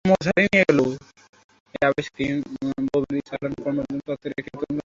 এই আবিষ্কারটি Boveri-Sutton chromosome তত্ত্বের একটি গুরুত্বপূর্ণ অঙ্গ ছিল।